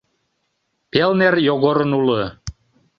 Пел нер Йогорын уло.